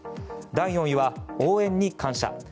第４位は、応援に感謝